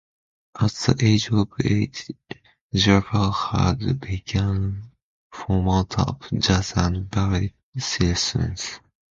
At the age of eight, Jaber had begun formal tap, jazz and ballet lessons.